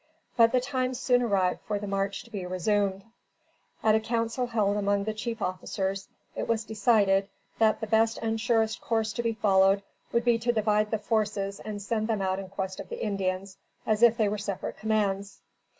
But the time soon arrived for the march to be resumed. At a council held among the chief officers, it was decided that the best and surest course to be followed would be to divide the forces and send them out in quest of the Indians, as if they were separate commands.